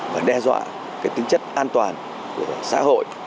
và đe dọa cái tính chất an toàn của xã hội